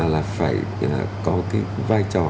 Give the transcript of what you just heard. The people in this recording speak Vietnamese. là phải có cái vai trò